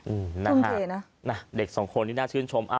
อืมนะฮะเท่าไหร่นะนะเด็กสองคนนี้น่าชื่นชม